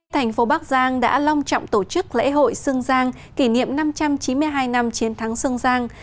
thành phố bắc giang đã long trọng tổ chức lễ hội sương giang kỷ niệm năm trăm chín mươi hai năm chiến thắng sương giang